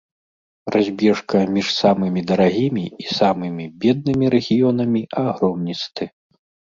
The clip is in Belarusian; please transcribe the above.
Разбежка між самымі дарагімі і самымі беднымі рэгіёнамі агромністы.